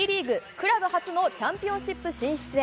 クラブ初のチャンピオンシップ進出へ。